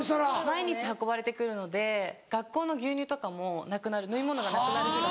毎日運ばれてくるので学校の牛乳とかもなくなる飲み物がなくなるぐらい。